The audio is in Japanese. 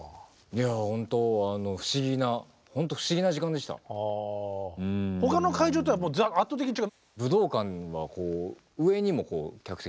いやほんと他の会場とは圧倒的に違う？